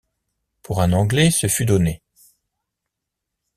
Pour un Anglais ce fut donné.